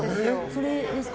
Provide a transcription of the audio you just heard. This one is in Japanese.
それですか。